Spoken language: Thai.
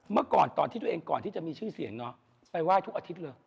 เมื่อก่อนตอนที่ตัวเองก่อนที่จะมีชื่อเสียงเนาะไปไหว้ทุกอาทิตย์เลย